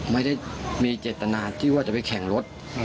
ไม่ได้มีเจตนาที่ว่าจะไปแข่งรถ